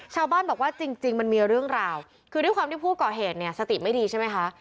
ชาวบ้านบอกว่าจริงมันมีเรื่องราวคือด้วยความที่ผู้ก่อเหตุเนี่ยสติไม่ดีใช่ไหมคะ